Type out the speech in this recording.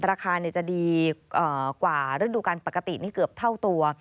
ราคาจะดีกว่าฤดูการปกตินี่เกือบเท่าตัว